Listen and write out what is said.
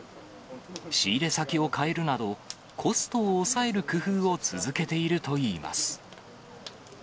仕入れ先を変えるなど、コストを抑える工夫を続けているといいます。